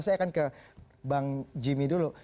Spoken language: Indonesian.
saya akan ke bang jimmy dulu